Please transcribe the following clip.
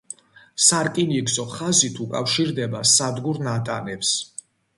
სარკინიგზო ხაზით უკავშირდება სადგურ ნატანებს.